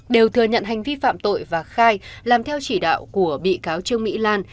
đều thừa nhận hành vi phạm tội và khai làm theo chỉ đạo của bị cáo trương mỹ lan